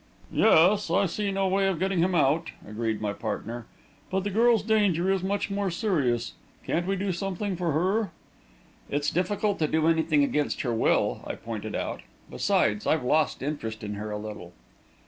"Yes; I see no way of getting him out," agreed my partner. "But the girl's danger is much more serious. Can't we do something for her?" "It's difficult to do anything against her will," I pointed out. "Besides, I've lost interest in her a little."